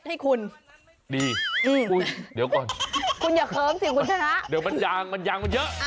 ให้คุณดีหูหูคุณจะเคิ้มสิบูจะนะเดี๋ยวมันอย่างวันอย่างเยอะ